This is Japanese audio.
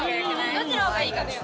どっちの方がいいかだよ。